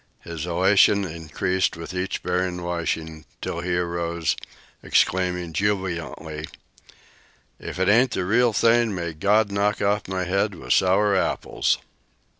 His elation increased with each barren washing, until he arose, exclaiming jubilantly: "If it ain't the real thing, may God knock off my head with sour apples!"